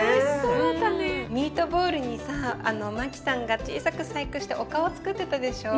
ミートボールにさあのマキさんが小さく細工してお顔をつくってたでしょ。